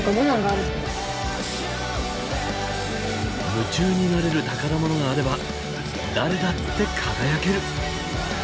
夢中になれる宝物があれば誰だって輝ける！